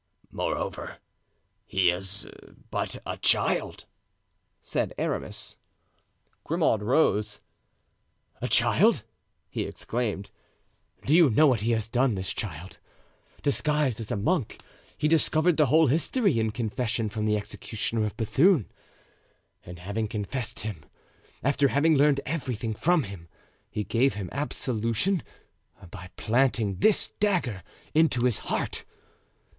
"Moreover, he is but a child," said Aramis. Grimaud rose. "A child!" he exclaimed. "Do you know what he has done, this child? Disguised as a monk he discovered the whole history in confession from the executioner of Bethune, and having confessed him, after having learned everything from him, he gave him absolution by planting this dagger into his heart.